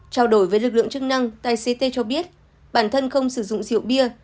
trao đổi với lực lượng chức năng tài xế tê cho biết bản thân không sử dụng rượu bia